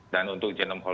dan untuk genome